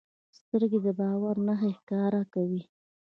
سترګې د باور نښې ښکاره کوي